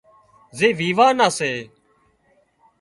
زي ويوان نا سي